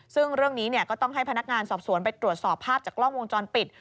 ซึ่งเรื่องนี้ก็ต้องให้พนักงานสอบสวนไปตรวจสอบภาพจากกล้องวงจรปิด